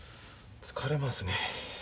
疲れますね。